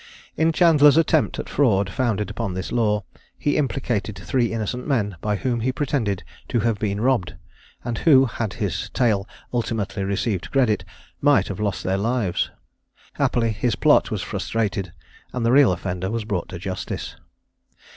In Chandler's attempt at fraud founded upon this law, he implicated three innocent men, by whom he pretended to have been robbed, and who, had his tale ultimately received credit, might have lost their lives. Happily his plot was frustrated, and the real offender was brought to justice.